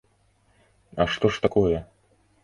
А што ж такое?